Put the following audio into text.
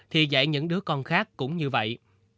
thì dạy những đứa con khác cũng như vậy